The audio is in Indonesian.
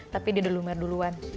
tapi dia udah lumer duluan